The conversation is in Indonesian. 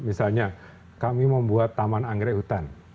misalnya kami membuat taman anggrek hutan